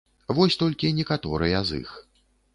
Вось толькі некаторыя з іх.